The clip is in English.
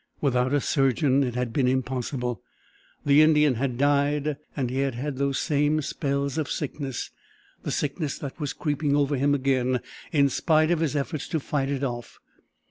Without a surgeon it had been impossible. The Indian had died, and he had had those same spells of sickness, the sickness that was creeping over him again in spite of his efforts to fight it off.